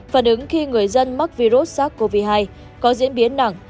và đứng khi người dân mắc virus sars cov hai có diễn biến nặng